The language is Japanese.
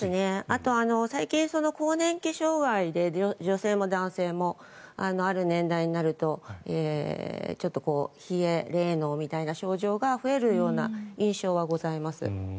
あと最近、更年期障害で女性も男性もある年代になると冷え、レイノーみたいな症状が増えるような印象はございます。